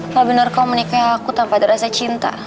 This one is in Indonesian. mbak bener kau menikah aku tanpa terasa cinta